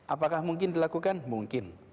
apakah mungkin dilakukan mungkin